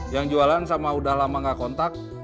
yang jualan sama udah lama gak kontak